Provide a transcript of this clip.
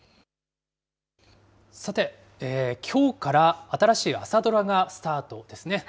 さて、きょうから新しい朝ドラがスタートですね。